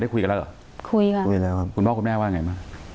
ได้คุยกันแล้วเหรอคุยค่ะคุยแล้วคุณพ่อคุณแม่ว่าไงมา